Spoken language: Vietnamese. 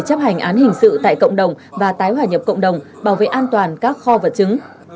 chấp hành án hình sự tại cộng đồng và tái hỏa nhập cộng đồng bảo vệ an toàn các kho vật chứng